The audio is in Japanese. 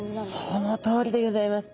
そのとおりでギョざいます。